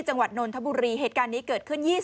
นนทบุรีเหตุการณ์นี้เกิดขึ้น